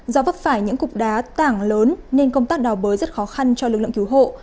do vấp phải những cục đá tảng lớn nên công tác đào bới rất khó khăn cho lực lượng cứu hộ